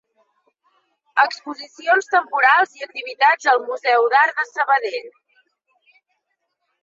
Exposicions temporals i activitats al Museu d'Art de Sabadell.